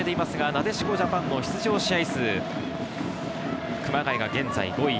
なでしこジャパン出場試合数、熊谷、現在５位。